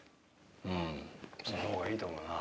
うんその方がいいと思うな